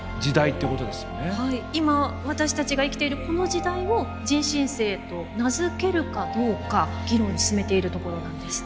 今私たちが生きているこの時代を人新世と名付けるかどうか議論を進めているところなんです。